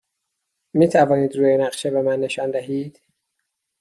می توانید روی نقشه به من نشان دهید؟